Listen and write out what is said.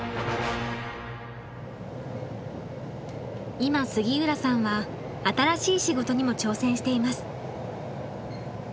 今杉浦さんは新しい仕事にも挑戦しています。